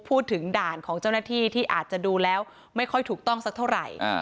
ด่านของเจ้าหน้าที่ที่อาจจะดูแล้วไม่ค่อยถูกต้องสักเท่าไหร่